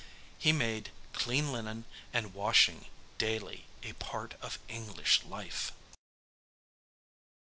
He made clean linen and washing daily a part of English life.